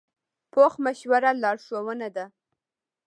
پوخ مشوره لارښوونه ده